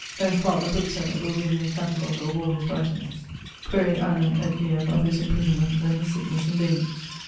[L.] Ben Clark the bookseller will give me a catalogue of all his writings. [LI.] Quaere annum et diem of his imprisonments and his sicknesses and dangers.